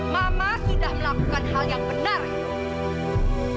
mama sudah melakukan hal yang benar